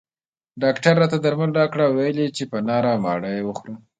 ډاکټر راته درمل راکړل او ویل یې چې په نهاره او مړه یې خوره